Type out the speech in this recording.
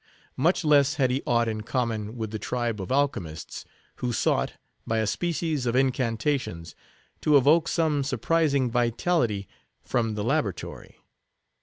Much less had he aught in common with the tribe of alchemists, who sought, by a species of incantations, to evoke some surprising vitality from the laboratory.